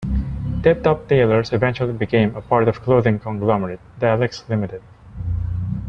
Tip Top Tailors eventually became a part of clothing conglomerate Dylex Limited.